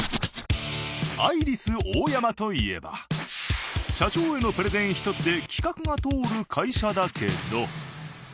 アイリスオーヤマといえば社長へのプレゼン一つで企画が通る会社だけど。